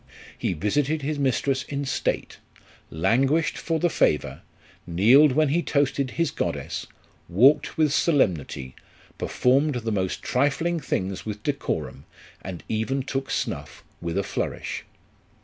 He visited his mistress in state ; languished for the favour, kneeled when he toasted his goddess, walked with solemnity, performed the most trifling things with decorum, and even took snuff with a flourish.